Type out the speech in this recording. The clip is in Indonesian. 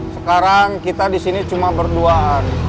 sekarang kita disini cuma berduaan